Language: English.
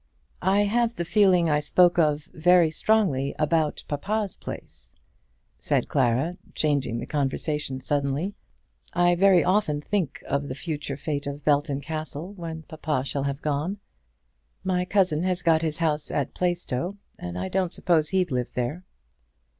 "I have the feeling I spoke of very strongly about papa's place," said Clara, changing the conversation suddenly. "I very often think of the future fate of Belton Castle when papa shall have gone. My cousin has got his house at Plaistow, and I don't suppose he'd live there."